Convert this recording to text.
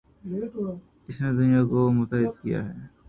اس نے دنیا کو متحد کیا ہے